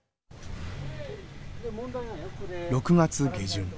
６月下旬。